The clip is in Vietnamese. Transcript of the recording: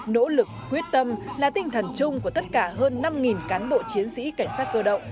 nỗ lực quyết tâm là tinh thần chung của tất cả hơn năm cán bộ chiến sĩ cảnh sát cơ động